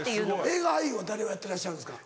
映画俳優は誰をやってらっしゃるんですか？